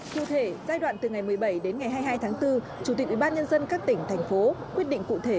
cụ thể giai đoạn từ ngày một mươi bảy đến ngày hai mươi hai tháng bốn chủ tịch ubnd các tỉnh thành phố quyết định cụ thể